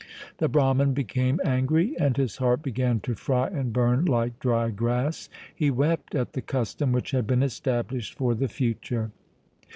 The Brahman became angry and his heart began to fry and burn like dry grass. He wept at the custom which had been established for the future.